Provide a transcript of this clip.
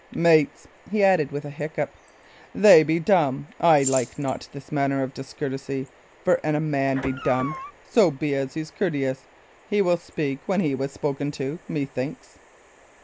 "Mates," he added, with a hiccup, "they be dumb. I like not this manner of discourtesy; for an a man be dumb, so be as he's courteous, he will still speak when he was spoken to, methinks."